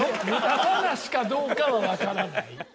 無駄話かどうかはわからない。